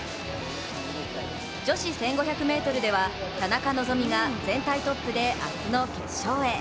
女子１５００ｍでは田中希実が全体トップで明日の決勝へ。